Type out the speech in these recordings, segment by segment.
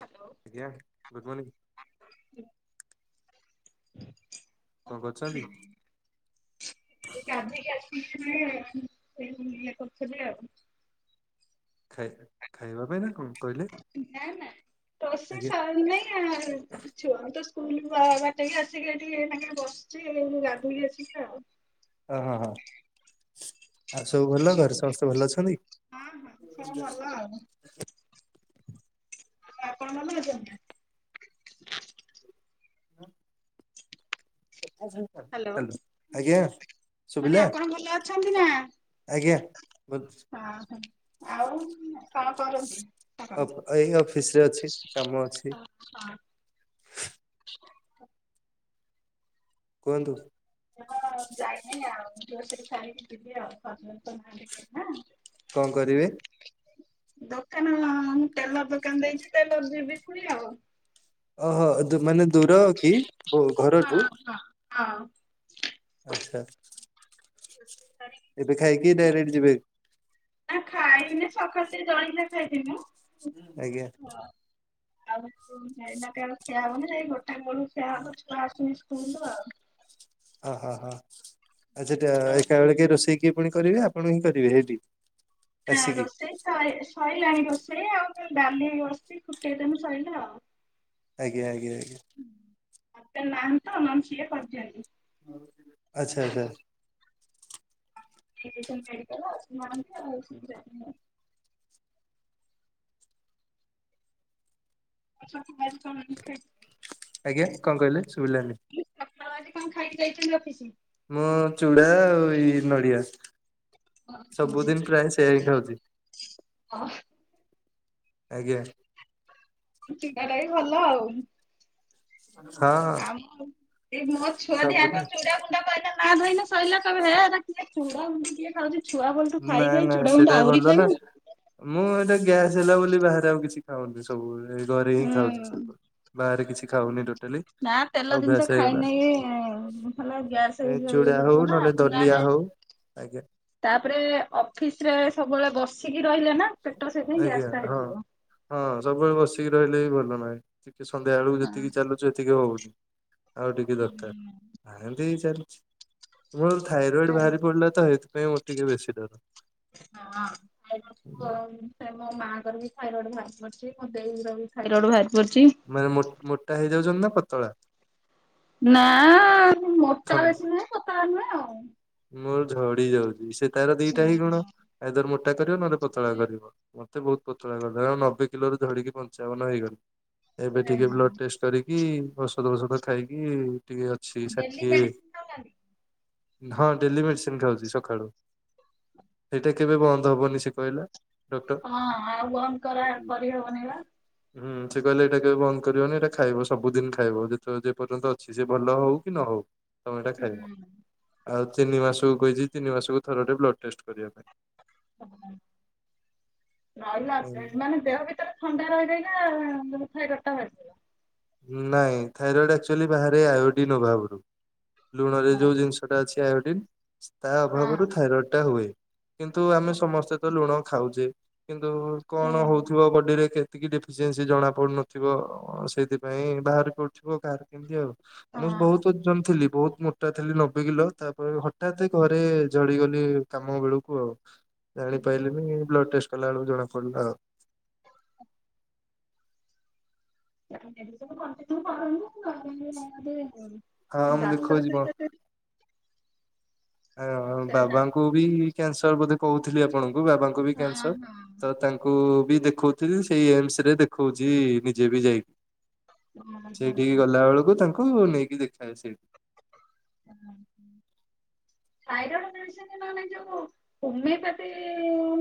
Hello ଆଜ୍ଞା good morning. କଣ କରଛନ୍ତି? ଏ [unintelligible] କରିଥିଲି ଆଉ। ଖାଇ ଖାଇବା ପାଇଁ ନା କଣ? କହିଲେ? ନା ନା ରୋଷେଇ ଆଜ୍ଞା ସରି ନାଇଁ ଆଉ ଛୁଆ କୁ ତ ସ୍କୁଲ ବାଟେଇକି ଆସିକି ଏଠି ତାଙ୍କେ ବସିଛି ଗାଧେଇ କି ଆସିକି ଆଉ। ଅ ହଁ ହଁ ଆଉ ସବୁ ଭଲ ଘରେ ସମସ୍ତେ ଭଲ ଅଛନ୍ତି। ହଁ ହଁ ହ୍ୟାଲୋ ସବୁ ଭଲ ଆଉ। ଆପଣ ଭଲ ଅଛନ୍ତି? ହୁଁ। ହ୍ୟାଲୋ ଆଜ୍ଞା। ମାନେ ଶୁଭିଲା ଆପଣ ଭଲ ଅଛନ୍ତି ନା। ଆଜ୍ଞା। ହଁ ହୋ ଆଉ କଣ କରନ୍ତି? ଆପଣ? ଅ ପ ଏଇ ଅଫିସ ରେ ଅଛି କାମ ଅଛି। ହଁ ହ। କୁହନ୍ତୁ। ହଁ ଯାଇନାଇଁ ଆଉ ଝିଅ ସେଠି ଖାଇିକି ଯିବି ଆଉ ନାହାନ୍ତି ଘରେ ନା। କଣ କରିବେ, ଦୋକାନ ମୁଁ ଟେଲର ଦୋକାନ ଦେଇଛି ତଟେଲର ଯିବି ପୁଣି ଆଉ। ଓହୋ ମାନେ ଦୂର କି ହଁ ଘରଠୁ। ହଁ। ହଁ [unintelligible] ଆଚ୍ଛା। ଏବେ ଖାଇକି ଡାଇରେକ୍ଟ ଯିବେ। ନା ଖାଇନି ସକାଳୁ ଟିକିଏ ଜଳଖିଆ ଖାଇଥିଲି ମୁଁ। ଆଜ୍ଞା। ଆଉ ଏଇନା କେବେ ଖିଆ ହବନା ଯାଇ ଗୋଟାକ ବେଳକୁ ଖିଆ ହବ ଛୁଆ ଆସୁସ ତୁଣ୍ଡୁ ଆଉ। ଓହ ହ ଆ ସେଠେ ଏକା ବଳେ କେ ରୋଷେଇ କିଏ ପୁଣି କରିବେ ଆପଣ ହିଁ କରିବେ ହେଇଠି। ନା ରୋଷେଇ ସଇ ସଇଲାଣି ରୋଷେଇ ଆଉ। ଡାଲି ହେଇ ବସିଛି ଫୁଟେଇ ଦେନେ ସଇଲା ଆଉ। ଆଜ୍ଞା ଆଜ୍ଞା ଆଜ୍ଞା। ଆଜତ ନାହାନ୍ତିତ ନହେନ ସିଏ କରିଦିଅନ୍ତି। ଆଛା ଆଚ୍ଛା। ସିଏ ଯାଇଛନ୍ତି ମେଡିକାଲ ଆସିନାଁହାନ୍ତି ଆଉ ସିଏ ବି ଆ ଖ କ ଖ [unintelligible] ଆଜ୍ଞା କଣ କହିଲେ ଶୁଭିଲାନି? ତ ଆଜି କଣ ଖାଇକି ଯାଇଛନ୍ତି ଅଫିସ। ମୁଁ ଚୁଡ଼ା ଆଉ ଏଇ ନଡ଼ିଆ। ଅଫିସ? ସବୁଦିନ ପ୍ରାୟ ସେଇଆ ଖାଉଚି। ଆଜ୍ଞା। ଚିନ୍ତା ଟା ବି ଭଲ ଆଉ। ହଁ ଆଉ ଏ ମୋ ଛୁଆ ଦିଆଙ୍କ ସବୁଦିନ ଚୁଡା ଗୁଣ୍ଡ କହିଲା ନା ଧଇଲେ ସଇଲା କହିବେ ହେ ଏଟା ଚୁଡା ଗୁଣ୍ଡ କିଏ ଖାଉଚି। ନାଇଁ ନାଇଁ ସେଇଟା ଭଲ ନା ମୁଁ ଏଇଟା ଗ୍ୟାସ୍ ହେଲା ବୋଲି ବାହାରେ ଆଉ କିଛି ଖାଉନି ବି ସବୁବେଳେ ଏ ଘରେ ହିଁ ଖାଉଛି ହୁଁ। ସବୁବେଳେ ବାହାରେ କିଛି ଖାଉନି ଟୋ ନା ତେଲ ଜିନିଷ ଖାଏନେଇ ଖଲେ ଗ୍ୟାସେ ହେଇଯିବ ନା ଆପଣ ନା ନାଇଁ ଆଉ। ତାପରେ ଅଫିସ ରେ ସବୁବେଳେ ବସିକି ରହିଲେ ନା ପେଟ ସେଇପାଇଁ ଆଜ୍ଞା ଗ୍ୟାସ୍ଟା ହଁ ହେଇଯିବ। ହଁ ସବୁବେଳେ ବସିକି ରହିଲେ ବି ଭଲ ନାହିଁ ଟିକେ ସନ୍ଧ୍ୟା ବେଳକୁ ହଁ। ଯେତିକି ଚାଲୁଚ ହେତିକି ହଉନି। ଆଉ ଟିକେ ଦରକାର ଆ ହେମତି ଚାଲିଚ। ମୋର ଥାଇରଏଡ ହଁ। ବାହାରି ପଡିଲା ତ ହେଇଥିପାଇଁ ମୋର ଟିକେ ବେଶୀ ଡର। ହଁଥାଇରଏଡ଼ ସେ ମୋ ମାଆଙ୍କର ବି ଥାଇରଡ ବାହାରି ପଡିଚି ମୋ ଦେଇର ବି। ଏ ଥାଇରଏଡ଼ ବାହାରି ପଡିଛି ମାନେ ମୋଟା ହେଇଯାଉଛନ୍ତି ନା ପତଳା। ନାଁ ଥ ମୋଟା ବେଶୀ ନୁହେଁ ପତଳା ନୁହେଁ। ଆଉ। ମୁଁ ଝଡ଼ି ଯାଉଚି ସେ ତାର ଦିଟା ହିଁ ଗୁଣ ଆଇଦର ମୋଟା କରିବ ନହେଲେ ପତଳା ହଁ। କରିବ। ଉଁ ତେ ବୋହୁତ ପତଳା କରଦେଲା ନବେ କିଲୋରୁ ଝଡ଼ିକି ପଞ୍ଚାବନ ହେଇଗଲି ଏବେ ଟିକେ ବ୍ଲଡ଼୍ ଟେଷ୍ଟ କରି କି ଔଷଧ ଔଷଧ ଖାଇକି ଟିକେ ଅଛି ଡେଲି ଷାଠିଏ ମେଡିସିନ ଦଉନାହାନ୍ତି? ହଁ ଡେଲି ମେଡ଼ିସିନ୍ ଖାଉଚି ସଖାଳୁ ସେଇଟା କେବେ ବନ୍ଦ ହବନି ସେ କହିଲା। ଡକ୍ଟର। ହଁ ଆଉ ବନ୍ଦ କରା ହୁଁ। କରି ହବନେଇ ବା। ହୁଁ ସେ କହିଲେ ଏଟା କେବେ ବନ୍ଦ କରିବନି ଏଟା ଖାଇବ ସବୁଦିନ ଖାଇବ ଯେତୋଳେ ଯେ ପର୍ଯ୍ୟନ୍ତ ଅଛି ସେ ଭଲ ହଉ କି ନ ହଉ। ତମେ ଏଇଟା ହୁଁ। ଖାଇବ ଆଉ ତିନି ମାସକୁ କହିଚି ତିନି ମାସକୁ ଥର ବ୍ଲଡ଼୍ ଟେଷ୍ଟ୍ କରିବା ପାଇଁ। [inaudible] ରହିଲା ପେ ମାନେ ଦେହ ଭିତରେ ଥଣ୍ଡା ରହି ରହିକା ଯୋଉ ଥାଇରଏଡ଼ଟା ଭାରି ପିଲା। ଉଁ ନାଇଁ ଥାଇରଏଡ଼ ଆକ୍ଚୁଆଲି ବାହାରେ ଆୟୋଡିନ୍ ଅଭାବରୁ। ଲୁଣରେ ଯୋଉ ଜିନିଷଟା ଅଛି ଆୟୋଡିନ୍ ତା ହଁ ଅଭାବରୁ ଥାଇରଏଡ଼ଟା ହୁଏ। କିନ୍ତୁ ଆମେ ହଁ। ସମସ୍ତେ ତ ଲୁଣ ଖାଉଚେ। କିନ୍ତୁ କଣ ହୋଉଥିବ ବଡି଼ରେ କେତିକି ଡିଫିସିଏନ୍ସି ଜଣାପଡ଼ୁନଥିବ ସେଇଥି ପାଇଁ ବାହାରିପଡ଼ୁଥିବ କାହାର କେମତି ଆଉ ମୁଁ ବୋହୁତ ଓଜନ ଥିଲି ବୋହୁ ମୋଟା ଥିଲି ନବେ କିଲ ତାପ ହଟାତେ ଘରେ ଝଡି଼ଗଲି କାମ ବେଳୁକୁ ଆଉ। ଜାଣି ପାଇଲିନି ବ୍ଲଡ଼୍ ଟେଷ୍ଟ୍ କଲା ଅଳୁକୁ ଜଣା ପଡ଼ିଲା ଆଉ। [unintelligible] ଏ ଏବେ ସବୁ କଣ୍ଟିନ୍ୟୁ କରନ୍ତୁ। ଏ ନର୍ମାଲି ମ ହଁ ଆଦେ ମୁଁ ଦେଖଉଛି ଡାକ୍ତର କଣ ଫେର ତ ଫେର ଆ ବାବାଙ୍କୁ ବି କ୍ୟାନସର୍ ବୋଧେ କହୁଥିଲି ଆପଣ ଉ ବାବାଙ୍କୁ ବି ହଁ କ୍ୟାନସର୍ ତ ତାଙ୍କୁ ବି ଦେଖଉଥୁଲି ସେଇ ଏମ୍ସ ରେ ଦେଖଉଚି ନିଜେ ବି ଯାଇ। ସେଇଠିକି ଗଲା ଅଳୁକୁ ତାଙ୍କୁ ନେଇକି ଦେ ତା ହୁଁ। ଥାଇରଏଡ଼ ମେଡ଼ିସିନ୍ ନହେନେ ଯୋଉ ହୋମେପାତି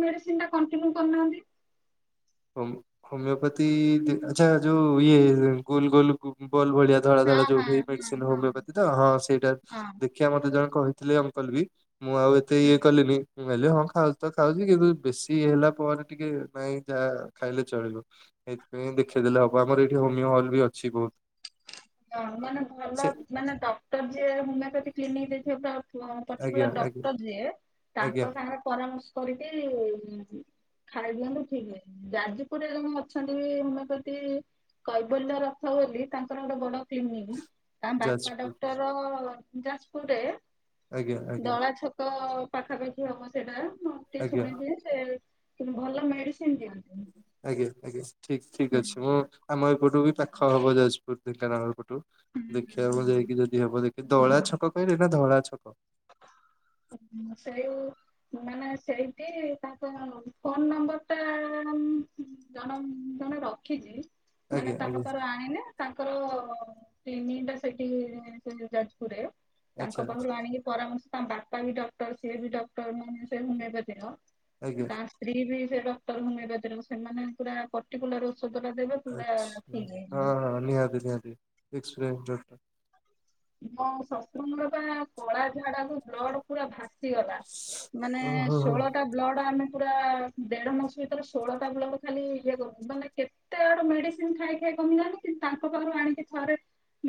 ମେଡ଼ିସିନ୍ ଟା କଣ୍ଟିନ୍ୟୁ କରୁନାହାନ୍ତି। [unintelligible] ହୋମ୍ ହମିଓପାତି ଦେ ଆଚ୍ଛା ଯୋଉ ଇଏ ଗୋଲ୍ ଗୋଲ୍ ଗୋ ଉଁ ଗୋଲ ଭଳିଆ ଧଳା ହଁ ଧଳା ଯୋଉ ହଁ ହେଇ ହଁ ମେଡ଼ିସିନ୍ ହଁ ହୋମିଓପାତି ତ ହଁ ସେଇଟା ହଁ ଦେଖିଆ ମତେ ଜଣେ କହିଥିଲେ କଲ୍ ବି ମୁଁ ଆଉ ଏତେ ହୁଁ। ଇଏ କଲିନି। ମୁଁ ଏଲି ହଁ ଖାଉଚି ତ ଖାଉଚି କିନ୍ତୁ ବେଶୀ ହେଲା ପରେ ଟିକେ ନାଇଁ ଯାହା ଖାଇଲେ ଚଳିବ ଏଇଥିପାଇଁ ଦେଖେଇଦେଲେ ହବ ଆମର ଏଇଠି ହୋମିଓ ହଲ୍ ବି ଅଛି ବୋହୁତ୍। ଲ ମାନେ ଭଲ ମାନେ ଡକ୍ଟର୍ ଯିଏ ହୋମେପାତି କ୍ଲିନିକ୍ ଦେଇଥିବା ଡ ଟୁଅଁ ଆଜ୍ଞା ପର୍ଟିକୁଲାର୍ ଆଜ୍ଞା ଡକ୍ଟର୍ ଯିଏ ଆଜ୍ଞା ତାଙ୍କ ସାଙ୍ଗରେ ପରାମର୍ଶ କରିକି ଖାଇ ଦିଅନ୍ତୁ ଠିକ୍ ହେଇ ଯାଜପୁରରେ ଜଣେ ଅଛନ୍ତି ବି ହୋମେପାତି କୈବଲ୍ୟ ରଥ ବୋଲି ତାଙ୍କର ଗୋଟେ ବଡ଼ କ୍ଲିନିକି ତାଁ ବାପା ଯାଜପୁର ଡକ୍ଟର୍ ଯାଜପୁରରେ। ଆଜ୍ଞା ଆଜ୍ଞା ଦଳା ଛକ ପାଖାପାଖି ହବ ସେଟା। ମ ଟିଏ ଆଜ୍ଞା ଶୁଣିଥିଲି ସେ ଭଲ ମେଡ଼ିସିନ୍ ଦିଅ ଆଜ୍ଞା ଆଜ୍ଞା ଠିକ୍ ଠିକ୍ ଅଛି ମୁଁ ଆମ ଏପଟୁ ବି ପାଖ ହବ ଯାଜପୁର ଢେଙ୍କାନାଳ ପଟୁ ହୁଁ ଦେଖିଆକୁ ଯାଇକି ଯଦି ହବ ଦେ ଏ ଦଳା ଛକ କହିବେ ନାଁ ଧଳା ଛକ? ଅ ମୁଁ ସେଇ ମାନେ ସେଇଠି ତାଙ୍କ ଫୋନ୍ ନମ୍ବର୍ ଟା ଜଣ ଜଣେ ରଖିଚି ମାନେ ଆଜ୍ଞା ତାଙ୍କ ଆଜ୍ଞା ପାରୁ ଆଣିନେ ତାଙ୍କର କ୍ଲିନିଂଟା ସେଠି ସେ ଯାଜପୁରରେ ତାଙ୍କ ଆଚ୍ଛା ପାଖୁରୁ ଆଚ୍ଛା ଆଣିକି ପରାମର୍ଶ ତାଙ୍କ ବା ପା ବି ଡକ୍ଟର୍ ସିଏ ବି ଡକ୍ଟର୍ ମାନେ ସେ ହୋମେପାତିର ଆଜ୍ଞା ତାଁଅ ସ୍ତ୍ରୀ ବି ଭେ ଡକ୍ଟର୍ ହୋମେପାତିର ସେମାନେ ପୁରା ପଟିକୁଲାର୍ ଓ ଆଚ୍ଛା ହଁ ନିହାତି ନିହାତି ଏକ୍ସପ୍ରେନ୍ ଯୋ ମୋ ଶଶୁରଙ୍ଗ ବା କଳା ଝାଡା କୁ ବ୍ଲଡ ପୁରା ଭାସି ଭାସିଗଲା ମାନେ ଓହୋ ହୋ ଷୋହଳଟା ବ୍ଲଡ଼ ଆମେ ପୁରା ଦେଢ଼ ମାସ ଭିତରେ ଷୋହଳଟା ବ୍ଲଡ ଖାଲି ଇଏ କର୍ ମାନେ କେତେ ଆଡ଼ୁ ମେଡ଼ିସିନ ଖାଇ ଖାଇ କମିଲାନ କିନ୍ତୁ ତାଙ୍କ ପାଖରୁ ଆଣିକି ଥରେ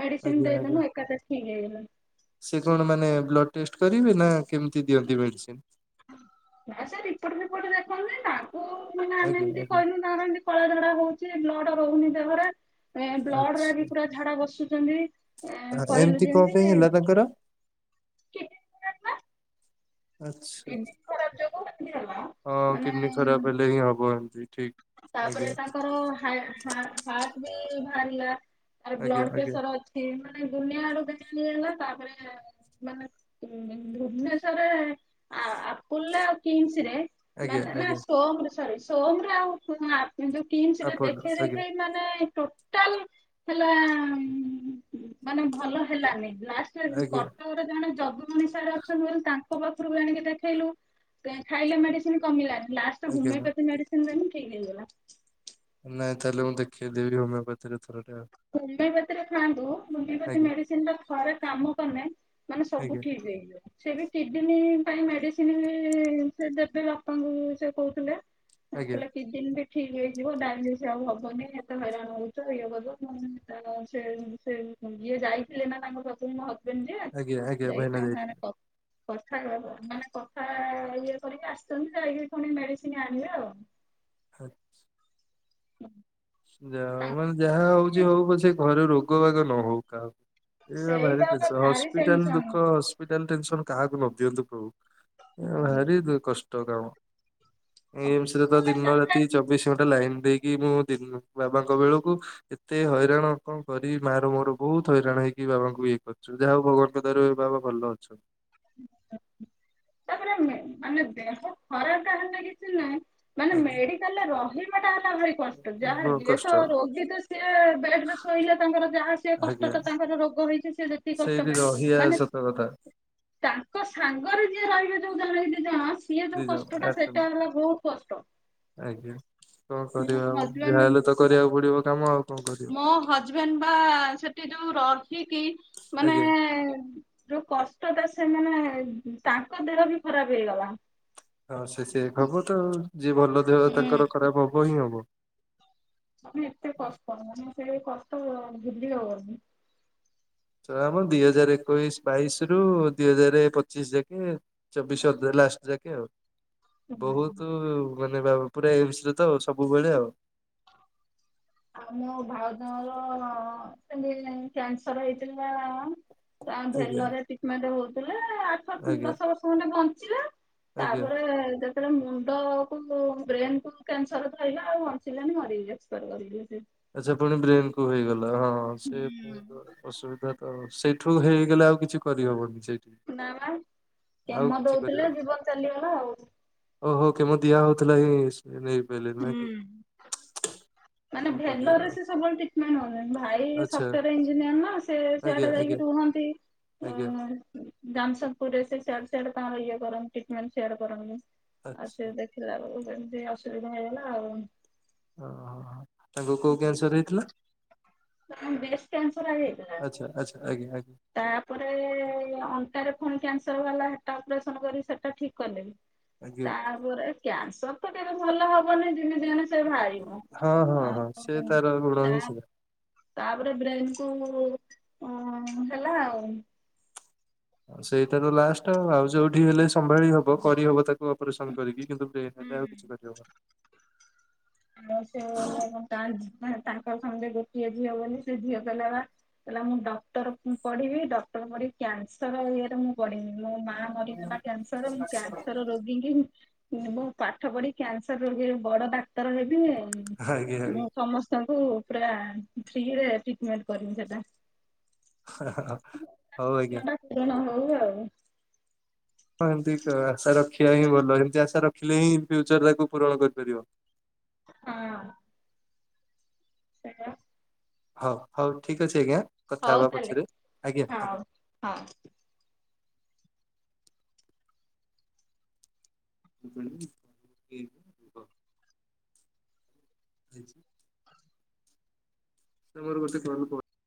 ମେଡିସିନ ଆଜ୍ଞା ଆଜ୍ଞା ଦେଇଦେନୁ ଏକାଥରେ ଠିକ୍ ହେଇଗଲେ ସେ କଣ ମାନେ ବ୍ଲଡ଼ ଟେଷ୍ଟ କରିବେ ନା କେମିତି ଦିଅନ୍ତି ମେଡିସିନ? ନା ସାର୍ ଏପଟ ସେପଟ ଦେଖନ୍ତୁନି ତାଙ୍କୁ ମାନେ ଆମେ ଆଜ୍ଞା ଏମିତି ଆଜ୍ଞା କରହିଲୁ ନାହଁନ୍ତି କଳା ଝଡା ହଉଛି ବ୍ଲଡ ରହୁନି ଦେହରେ ଏ ବ୍ଲଡରେ ବି ଆଚ୍ଛା ପୁରା ଝାଡା ବସୁଛନ୍ତି ଏ କହିଲୁ ଏମିତି କଣ ପାଇଁ ଯେମତି [inaudible] ହେଲା ତାଙ୍କର ଆଛା କିଡନୀ ଖରାପ ଯୋଗୁ ଏମିତି ହେଲା ହଁ କିିଡୀନ୍ ମାନେ ଖରାପ୍ ହେଲେ ହିଁ ହବ ଏମିତି ତାପରେ ତାଙ୍କର ହା ହାଟ ହାଟ ବି ଭାରିଲା। ଆଉ ଆଜ୍ଞା ଆଜ୍ଞା ବ୍ଲଡପ୍ରେସର ଅଛି ମାନେ ଦୁନିଆ ଆଡୁ [unintelligible] ହେଲା ତାପରେ। ମାନେ ହୁଁ ଭୁବନେଶ୍ୱରରେ ଆପୁଲୁରେ ଆ କିମ୍ସି ରେ। ନାଁ ନାଁ ଆଜ୍ଞା ନାଁ ମାନେ ଆଜ୍ଞା। ସୋମରେ ସରି ସୋମରେ ଆଉ ଫୁ ଅପ୍ କିନ୍ତୁ କିମିସିରେ ଆପୋଲୋ ଦେଖେଇ ଆଜ୍ଞା ଦେଖେଇ ନନେ। ଟୋଟାଲ ହେଲା ମାନେ ଭଲ ହେଲାନି। ଲାଷ୍ଟେରେ ଆଜ୍ଞା କଟକରେ ଜଣେ ଜଦୁମଣି ସାରେ ଅଛନ୍ତି ବୋଲି ତାଙ୍କ ଙ୍କ ପାଖରୁ କୁ ଆଣିକି ଦେଖେଇଲୁ [unintelligible] ଖାଇଲେ ମେଡିସିନ କମିଲା ଲାଷ୍ଟ ଆଜ୍ଞା ହୋମିଓପାଥି ମେଡିସିନ ଦେଲୁ। ଠିକ୍ ହେଇଗଲା। ନାଇଁ ତାହେଲେ ମୁଁ ଦେଖେଇଦେବି ଟିକେ ହୋମିଓପାଥିରେ। ଥରଟେ ଆଉ ହୋମିଓପାଥିରେ ଖାଆନ୍ତୁ ହୋମିଓପାଥି ଆଜ୍ଞା ମେଡିସିନରେ ବା ଥରେ କାମ କନେ ମାନେ ସବୁ ଆଜ୍ଞା ଠିକ। ସେ ବି କିଡନୀ ପାଇଁ ମେଡିସିନ ସେ ଦେବେ ବାପାଙ୍କୁ ସେ ଆଜ୍ଞା। କହୁଥିଲେ କୀଡିନି ବିକି। ଠିକ ହେଇଯିବ ଡାଇଲିସ୍‌ ଆଉ ହବନି ଏତେ ହଇରାଣ ହଉଛ ହେଆହବ। ଉଁ ସେ ସେ ଯିଏ ଯାଇଥିଲେ ନା ତାଙ୍କ ଶତ୍ରୁନ [unintelligible] ଆଜ୍ଞା ଆଜ୍ଞା ଯାଇ ଭାଇନା ତାଙ୍କରେ ସାଙ୍ଗେ ଯାଇଥିଲେ କଥ କଥା ମାନେ କଥା ଇଏକରିକି ଆସିଛନ୍ତି ଯାଇକି ପୁଣି ମେଡିସିନ ଆଣିବେ ଆଉ। [inaudible] ହୁଁ ଯାଉମାନେ ଯାହା ହଉଛି ହଉ ପଛେ ଘରେ ରୋଗବାଗ ନ ହଉ କାହାକୁ। ଏରାଭାରି ସେଇଟା ଗୋଟେ ଟେସନ ଭାରି ହସ୍ପିଟାଲ ଟେନସନ। ଦୁଃଖ ହସ୍ପିଟାଲ। ହସ୍ପିଟାଲ ଟେସନ କାହାକୁ ନ ଦିଅନ୍ତୁ ପ୍ରଭୁ ଭାରି କଷ୍ଟ କାମ। ଏମେସରେ ତ ତାପରେ ଦିନ ରାତି ଚବିଶ ଘଣ୍ଟା ଲାଇନ ଦେଇକି ମୁଁ ଦିନ ବାବାଙ୍କ ବେଳକୁ ଏତେ ହଇରାଣ କଣ କରି ମା ର ମୋର ବହୁତ ହଇରାଣ ହେଇକି ବାବାଙ୍କୁ ଇଏ କରୁଛୁ। ଯା ହଉ ଭଗବାନଙ୍କ ଦୟାରୁ ଏ ବାବା ଭଲ ଅଛନ୍ତି। [inaudible] ଆରେ ମେ ମାନେ ଦେହ ଖରାପ ହେଲେ କିଛି ନାହିଁ ମାନେ ଆଜ୍ଞା ମେଡିକାଲରେ ରହିବ। ବା ଟା ଭାରି କଷ୍ଟ ଯାହା ବହୁ କଷ୍ଟ ଯିଏତ ରୋଗୀ ତ ସିଏ ବେଡରେ ଶୋଇଲେ ତାଙ୍କର ଯାହା ସିଏ କଷ୍ଟତ ଆଜ୍ଞା ତାଙ୍କର। ଙ୍କର ରୋଗ ହେଇଛି ସିଏ ଯେତିକି କଷ୍ଟ ସେଇଠି ପାଏ ରହିବା ମାନେ ସତ କଥା। ତାଙ୍କ ସାଙ୍ଗରେ ଯିଏ ରହିବେ ଯୋଉ ଜଣକି ଦିଜଣ। ସିଏ ଦି ଯୋଉ ଜଣ କଷ୍ଟଟା ଆଟେନ୍ ସେଟା ହେଲା ବହୁତ କଷ୍ଟ। ଆଜ୍ଞା କଣ ମୋ କରିବା ଆଉ ଯାହା ହଜବେଣ୍ଡ ହେଲେ ତ କରିବାକୁ ପଡିବ କାମ ଆଉ କଣ କରିବା। ମୋ ହଜବେଣ୍ଡ ପା ସେଠି ଯୋଉ ରହି କି ମାନେ ଆଜ୍ଞା ଯୋଉ କ କଷ୍ଟ ଟା ସେମାନେ ତାଙ୍କ ଦେହ ବି ଖରାପ ହେଇଗଲା। ଆ ସେ ସେଏ ହବତ ଯିଏ ଭଲ ଦେହ ହୁଁ ତାଙ୍କର ଖରାପ ହବ ହିଁ ହବ। ମାନେଏତେ କଷ୍ଟ ମାନେସେ କଷ୍ଟ ଭୁଲି ହବନି। ନାମ ଦି ହଜାର ଏକୋଇଶ ବାଇଶ ରୁ ଦି ହଜାର ପଚିଶ ଯାକେ ଚବିଶ ଅଧେ ଲାଷ୍ଟ। ଯାକେ ଆଉ ହୁଁ। ବହୁତ ମାନେ ବା ପୁରା ଏଇ ବିଷରେ ତ ସବୁବେଳେ ଆଉ। ଆଉ ମୋ ଭାଉଜଙ୍କର ସେମତି କ୍ୟାନସର ହେଇଥିଲା। ତା ଆଜ୍ଞା ଭେଲରରେ ଟ୍ରିଟିମେଣ୍ଟ ହଉଥିଲେ ଆଠ ଆଜ୍ଞା। ଦଶ ବର୍ଷ ଖଣ୍ଡେ ବଞ୍ଚିଲା ଆଜ୍ଞା ତାପରେ ଯେତେବେଳେ ମୁଁ ମୁଣ୍ଡ କୁ ବ୍ରେନ କୁ କ୍ୟାନସର ସେ। ଆଛା ଯେ ପୁଣି ବ୍ରେନ କୁ ହେଇଗଲା ହଁ ସେ ହୁଁ। ଅସୁବିଧା ତ ସେଇଠୁ ହେଇଗଲେ ଆଉ କିଛି କରିହବନି। ସେଇଠି ନା ନା ଆଉ କେମୋ କିଛି କରିବା ଦଉଥିଲେ ଜୀବନ ଚାଲିଗଲା ଆଉ ଓହୋ କେମୋ ଦିଆ ହଉଥିଲା ହଁ ନେଇପାରିଲେନି ନାକି। କଣ କରିବା ଭେଲରରେ ଆଉ ସେ ସବୁବେଳେ ଟ୍ରିଟିମେଣ୍ଟ ହୁଅନ୍ତି। ଭାଇ ଆଚ୍ଛା ସଫଟର ଇଞ୍ଜିନିୟର ନା ସେଆଡେ ଆଜ୍ଞା ଯାଇକି ଆଜ୍ଞା ରୁହନ୍ତି। ଓ ଆଜ୍ଞା ହୋ ଜାମସେଦପୁରରେ ସିଆଡ଼େ ସିଆଡ଼େ ତାଙ୍କର ଇଏ କରନ୍ତି ଟ୍ରିଟିମେଣ୍ଟ ସିଆଡେ କରନ୍ତି ଆଛା ଦେଖିଲା ବେଳେକୁ ଏମିତି ଅସୁବିଧା। ସୁବିଧା ହେଇଗଲା ଆଉ। ଓହୋ ହୋ ତାଙ୍କୁ କୋଉଁ କ୍ୟାନସର ହେଇଥିଲା? ବ୍ରେଷ୍ଟ କ୍ୟାନ୍ସର ହେଇଥିଲା। ଆଚ୍ଛା ଆଚ୍ଛା ଆଜ୍ଞା ଆଜ୍ଞା ତାପରେ ଅଣ୍ଟାରେ ଫୁଣି ପା ବାଲାଟା ଅପରେସନ କର ସେଟା ଠିକ କଲେ ଆଜ୍ଞା ତାପରେ କ୍ୟାନ୍ସର ଟିକେ ଭଲ ହବନି ଦିନେ ଦିନିନେ ସେ ବାହାରିବ ହଁ ହଁ ହଁ ସେ ତାର ଗୁଣ ହିଁ ଆଉ ସେୟା। ତାପରେ ବ୍ରେନ କୁ ହେଲା ଆଉ ସେଇଟା ତ ଲାଷ୍ଟ ଆଉ ଯୋଉଁଠି ହେଲେ ସମ୍ଭାଳି ହବ କରିହବ ତାକୁ ଅପରେସନ କରିକି। କିନ୍ତୁ ବ୍ରେନ ହେଲେ ଆଉ କିଛି କରି ହବନି। ଆଉ ସେ ତାଙ୍କ ସାଙ୍ଗେ ଗୋଟିଏ ଝିଅ ବୋଲିନି ସେ ଝିଅ କଲା କହିଲା ମୁଁ ଡକ୍ଟର ପଢ଼ିବି ଡକ୍ଟରି କ୍ୟାନସର ଇଏରେ ମୁଁ ପଢ଼ିମିନି ମୋ ନାଁ ମରିଗଲା କ୍ୟାନସର କ୍ୟାନସର ରୋଗୀ କି ମୁଁ ପାଠ ପଢ଼ି କ୍ୟାନସର ରୋଗୀରେ ବଡ଼ ଡାକ୍ତର ହେବି। [unintelligible] ତାଙ୍କୁ ପୁରା ଫ୍ରି ରେ ଟ୍ରିଟମେଣ୍ଟ କରିନି ସେ ହଉଁ ଆଜ୍ଞା। ହଉଁ ଆଉ। ହଁ ଏମିତି ଆଶା ରଖିବା ହିଁ ଭଲ ଏମତି ଆଶା ରଖିଲେ ହିଁ ଫ୍ୟୁଚର ତାକୁ ପୂରଣ କରିପାରିବ। ହଁ। ସେ ହଉଁ ହଉଁ ଠିକ ଅଛି ଆଜ୍ଞା କଥା ହଉ ହବା ତାହେଲେ ପଛରେ, ଆଜ୍ଞା ହଉ ଆଜ୍ଞା। ହଁ। [inaudible] [inaudible] ସେମର [unintelligible]